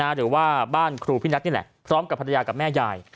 หรือว่าบ้านครูพี่นัทนี่แหละพร้อมกับภรรยากับแม่ยาย